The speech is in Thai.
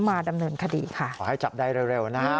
มาดำเนินคดีค่ะขอให้จับได้เร็วนะฮะ